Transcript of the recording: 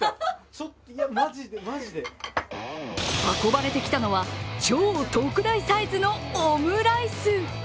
運ばれてきたのは、超特大サイズのオムライス。